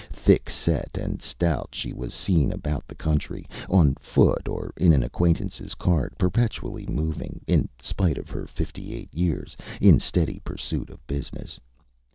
Thick set and stout, she was seen about the country, on foot or in an acquaintanceÂs cart, perpetually moving, in spite of her fifty eight years, in steady pursuit of business.